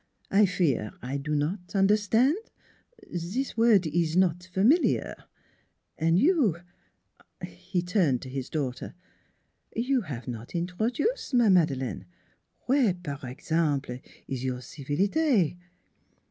" I fear I do not un'erstan'. Ze word ees not familiar. An' you ?" He turned to his daughter. " You have not introduce, my Madeleine. Were, par example, ees your civilite?